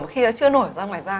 khi nó chưa nổi ra ngoài da